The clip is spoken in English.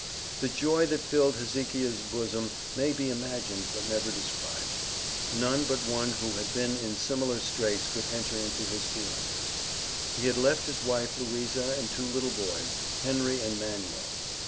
The joy that filled Hezekiah's bosom may be imagined but never described. None but one who had been in similar straits could enter into his feelings. He had left his wife Louisa, and two little boys, Henry and Manuel.